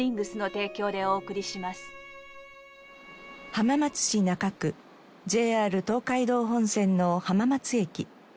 浜松市中区ＪＲ東海道本線の浜松駅。